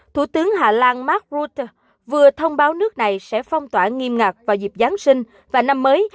thủ tướng hà lan mark rutte vừa thông báo nước này sẽ phong tỏa nghiêm ngặt vào dịp giáng sinh và năm mới